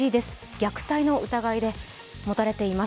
虐待の疑いがもたれています。